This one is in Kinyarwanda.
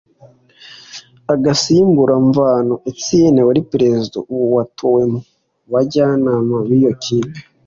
agasimbura Mvano Etienne wari Perezida ubu watowe mu bajyanama b’iyo kipe